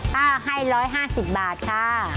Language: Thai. อร่อย๑๕๐บาทค่ะ